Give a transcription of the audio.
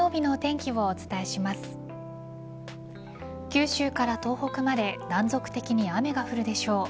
九州から東北まで断続的に雨が降るでしょう。